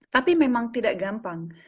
tapi memang tidak gampang